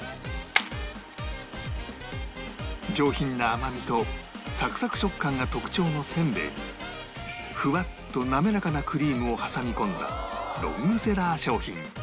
上品な甘みとサクサク食感が特徴の煎餅にふわっと滑らかなクリームを挟み込んだロングセラー商品